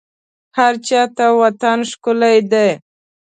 هرچا ته وطن ښکلی دی